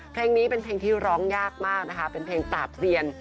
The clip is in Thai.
เพลงนี้เป็นเพลงที่ร้องยากมากนะคะเป็นเพลงปราบเซียน